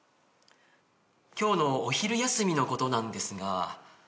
今日のお昼休みのことなんですが。